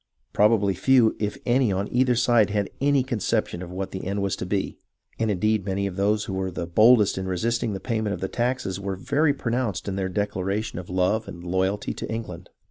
Probably few, if any, on either side had any conception of what the end was to be, and indeed many of those who were the boldest in resisting the payment of the taxes were very pronounced in their declaration of love and loyalty to England.